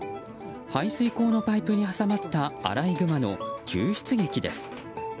排水溝のパイプに挟まったアライグマの救出劇です。